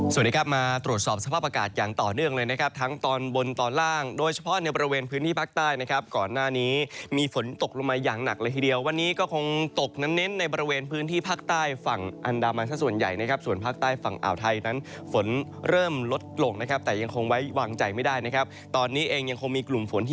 สวัสดีครับมาตรวจสอบสภาพอากาศอย่างต่อเนื่องเลยนะครับทั้งตอนบนตอนล่างโดยเฉพาะในบริเวณพื้นที่ภาคใต้นะครับก่อนหน้านี้มีฝนตกลงมาอย่างหนักเลยทีเดียววันนี้ก็คงตกนั้นเน้นในบริเวณพื้นที่ภาคใต้ฝั่งอันดามันส่วนใหญ่นะครับส่วนภาคใต้ฝั่งอ่าวไทยนั้นฝนเริ่มลดลงนะครับแต่ยังค